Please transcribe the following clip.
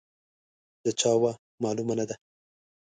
د چا وه، معلومه نه ده.